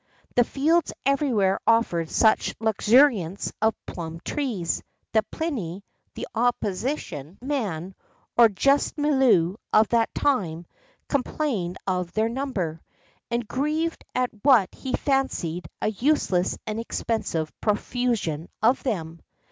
The fields everywhere offered such luxuriance of plum trees that Pliny, the opposition man, or juste milieu of that time, complained of their number,[XII 75] and grieved at what he fancied a useless and expensive profusion of them.